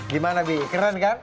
gimana bi keren kan